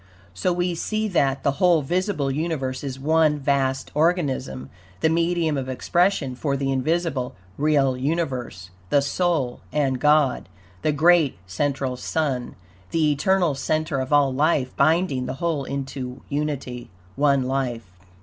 So we see that, the whole visible universe is one vast organism, the medium of expression for the invisible, real universe the soul and God, the great central Sun, the eternal center of all life, binding the whole into unity ONE LIFE.